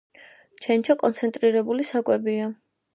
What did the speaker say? ჩენჩო კონცენტრირებული საკვებია.